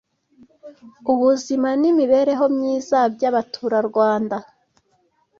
ubuzima n’imibereho myiza by’Abaturarwanda